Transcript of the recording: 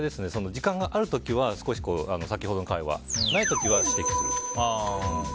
時間がある時は少し、先ほどの会話ない時は指摘する。